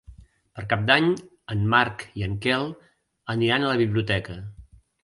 Per Cap d'Any en Marc i en Quel aniran a la biblioteca.